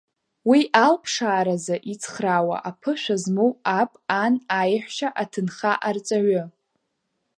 Уи алԥшааразы ицхраауа, аԥышәа змоу аб, ан, аеҳәшьа, аҭынха, арҵаҩы…